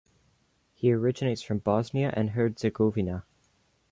He originates from Bosnia and Herzegovina.